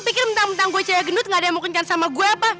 pikir mentang mentang gue cewek gendut gak ada yang mau kencan sama gue apa